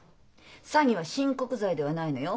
詐欺は親告罪ではないのよ。